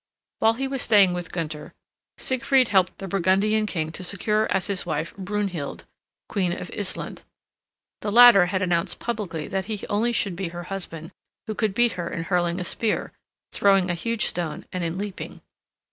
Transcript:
While he was staying with Gunther, Siegfried helped the Burgundian king to secure as his wife Brunhild, queen of Issland. The latter had announced publicly that he only should be her husband who could beat her in hurling a spear, throwing a huge stone, and in leaping.